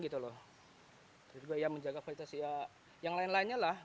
terus juga menjaga fasilitas yang lain lainnya lah